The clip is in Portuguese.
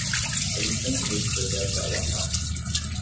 A licença desse projeto é o Apache.